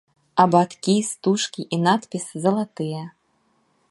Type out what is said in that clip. Абадкі, стужкі і надпіс залатыя.